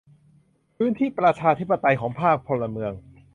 พื้นที่ประชาธิปไตยของภาคพลเมือง